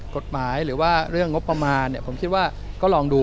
กฎหมายหรือว่าเรื่องงบประมาณผมคิดว่าก็ลองดู